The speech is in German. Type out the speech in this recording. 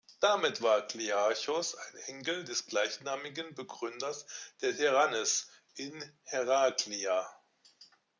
Damit war Klearchos ein Enkel des gleichnamigen Begründers der Tyrannis in Herakleia.